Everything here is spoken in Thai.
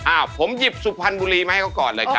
ผมหยิบสุพรรณบุรีมาให้เขาก่อนเลยครับ